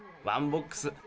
ワンボックス。